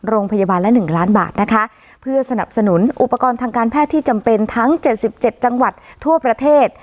โรงพยาบาลละ๑ล้านบาทนะคะเพื่อสนับสนุนอุปกรณ์ทางการแพทย์ที่จำเป็นทั้ง๗๗จังหวัดทั่วประเทศ